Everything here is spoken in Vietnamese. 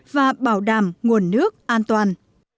và bảo đảm nguồn nước an toàn